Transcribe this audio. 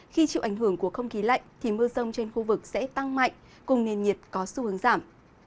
khi chịu ảnh hưởng của không khí lạnh thì mưa rông trên khu vực sẽ tăng mạnh cùng nền nhiệt có xu hướng giảm